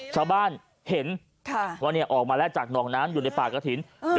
ชาวบ้านเห็นว่าออกมาแล้วจากหนองน้ำอยู่ในป่ากระถิ่น